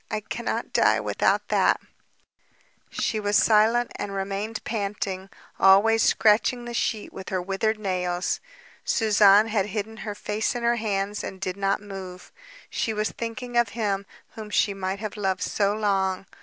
I cannot die without that...." She was silent, and remained panting, always scratching the sheet with her withered nails. Suzanne had hidden her face in her hands, and did not move. She was thinking of him whom she might have loved so long!